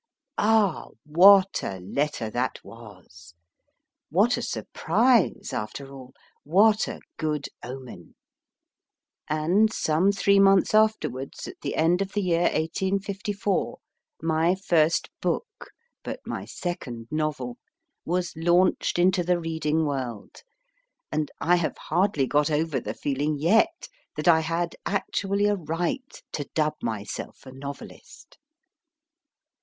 Ah ! what a letter that was ! what a surprise, after all ! what a good omen ! F. W. ROBINSON 133 And some three months afterwards, at the end of the year 1854, my first book but my second novel was launched into the reading world, and I have hardly got over the feeling yet that I had actually a right to dub myself a novelist